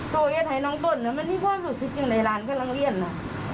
ตัวเฮียดไทยน้องตนน่ะมันนี่พ่อรู้สึกอย่างในร้านกำลังเรียนน่ะ